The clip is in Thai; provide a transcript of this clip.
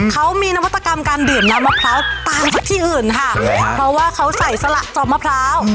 เขามีนวัตกรรมการดื่มน้ำมะพร้าวตามจากที่อื่นค่ะเพราะว่าเขาใส่สละจอบมะพร้าว